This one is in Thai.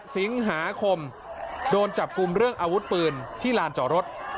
สิงหาคมโดนจับกลุ่มเรื่องอาวุธปืนที่ลานจอดรถ